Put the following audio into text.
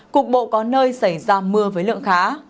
cục bộ có nơi xảy ra mưa với lượng khá